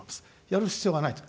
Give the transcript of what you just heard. やる必要がないと。